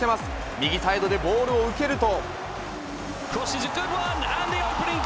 右サイドでボールを受けると。